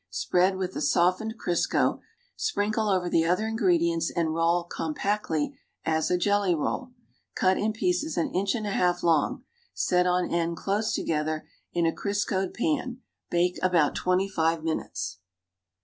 Spread with the softened Crksco sprinkle over the other ingredients and roll compactly as a jelly roll. Cut in pieces an inch and a half long; set on end close together in a Criseoed pan. Hake about twenty five minutes.